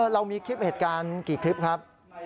เรามีคลิปเหตุการณ์กี่คลิปครับ